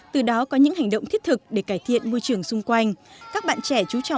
từ đó có những hành động thiết thực để cải thiện môi trường xung quanh